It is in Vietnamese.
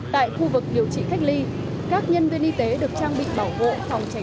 tại khu vực điều trị cách ly các nhân viên y tế được trang bị bảo vộ